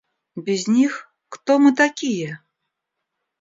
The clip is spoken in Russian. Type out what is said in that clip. Без них – кто мы такие?